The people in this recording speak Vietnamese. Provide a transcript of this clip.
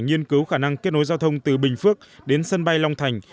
nghiên cứu khả năng kết nối giao thông từ bình phước đến sân bay long thành